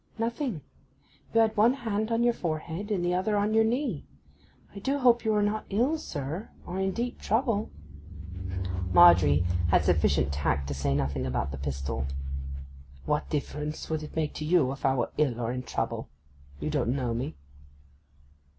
'Nothing. You had one hand on your forehead and the other on your knee. I do hope you are not ill, sir, or in deep trouble?' Margery had sufficient tact to say nothing about the pistol. 'What difference would it make to you if I were ill or in trouble? You don't know me.